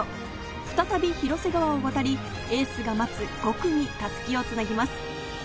再び広瀬川を渡り、エースが待つ５区に襷をつなぎます。